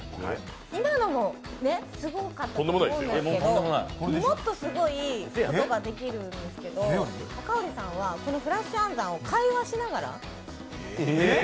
今のもすごかったと思うんですけどもっとすごいことができるんですけど、赤堀さんは、このフラッシュ暗算を会話しながら。